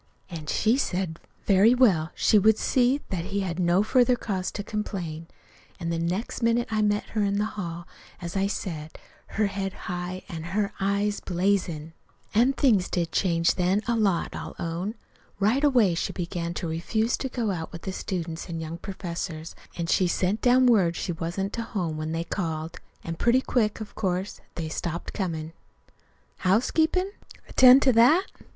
An' she said, very well, she would see that he had no further cause to complain. An' the next minute I met her in the hall, as I just said, her head high an' her eyes blazin'. "An' things did change then, a lot, I'll own. Right away she began to refuse to go out with the students an' young professors, an' she sent down word she wasn't to home when they called. And pretty quick, of course, they stopped comin'. "Housekeepin'? Attend to that?